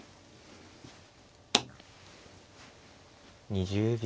２０秒。